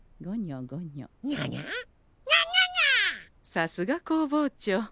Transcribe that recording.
さすが工房長。